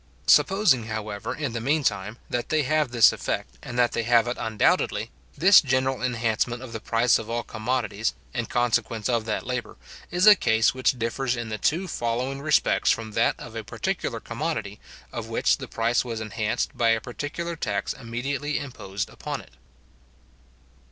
Supposing, however, in the mean time, that they have this effect, and they have it undoubtedly, this general enhancement of the price of all commodities, in consequence of that labour, is a case which differs in the two following respects from that of a particular commodity, of which the price was enhanced by a particular tax immediately imposed upon it.